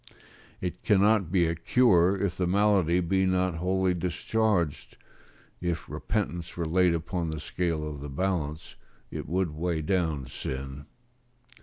It cannot be a cure if the malady be not wholly discharged; if repentance were laid upon the scale of the balance, it would weigh down sin.